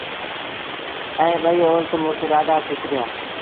ائيٚݩ ٻئيٚ اولت مڙس ڏآڍآ کُش ٿيٚآ۔